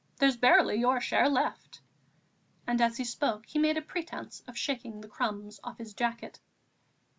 There's barely your share left," and as he spoke, he made a pretence of shaking the crumbs off his jacket.